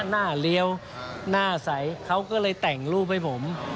หน้าเลี้ยวหน้าใสเขาก็เลยแต่งรูปให้ผม